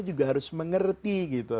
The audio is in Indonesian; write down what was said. juga harus mengerti